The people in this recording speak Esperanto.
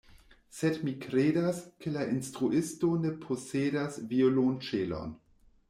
Sed mi kredas, ke la instruisto ne posedas violonĉelon.